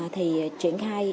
thì triển khai